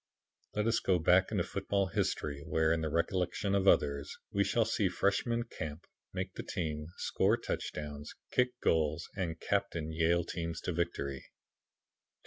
Let us go back into football history where, in the recollections of others, we shall see Freshman Camp make the team, score touchdowns, kick goals and captain Yale teams to victory.